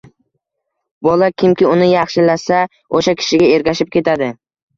Bola, kimki uni yaxshi-lasa, o‘sha kishiga ergashib ketadi.